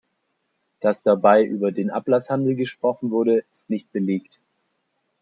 Dass dabei über den Ablasshandel gesprochen wurde, ist nicht belegt.